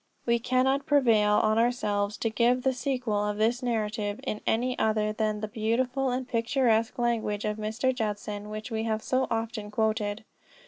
We cannot prevail on ourselves to give the sequel of this narrative in any other than the beautiful and picturesque language of Mr. Judson which we have so often quoted.